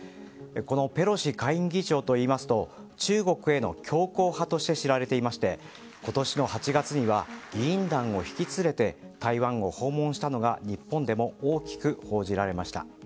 ペロシ下院議長といいますと中国への強硬派として知られていまして今年の８月には議員団を引き連れて台湾を訪問したのが日本でも大きく報じられました。